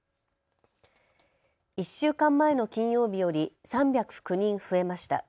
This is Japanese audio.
１週間前の金曜日より３０９人増えました。